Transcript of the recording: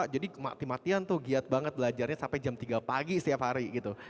jadi mati matian tuh giat banget belajarnya sampai jam tiga pagi setiap hari gitu